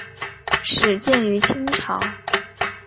始建于清朝。